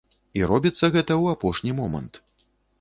І робіцца гэта ў апошні момант.